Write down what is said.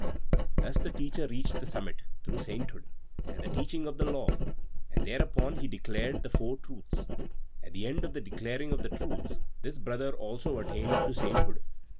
_ _Thus the Teacher reached the summit, through sainthood and the teaching of the law, and thereupon he declared the Four Truths. At the end of the declaring of the Truths, this Brother also attained to sainthood.